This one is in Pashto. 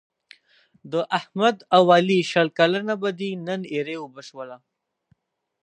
د احمد او علي شل کلنه بدي نن ایرې اوبه شوله.